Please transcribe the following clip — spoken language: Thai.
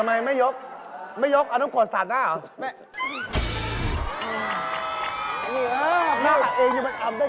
ไม่ยกเอาต้องกดสัตว์หน้าเหรอ